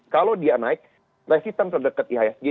kalau dia naik resistance terdekat iasg